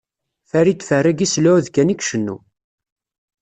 Farid Ferragi s lɛud kan i icennu.